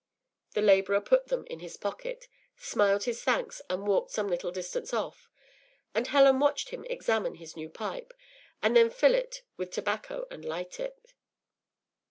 ” The labourer put them in his pocket, smiled his thanks, and walked some little distance off; and Helen watched him examine his new pipe, and then fill it with tobacco and light it.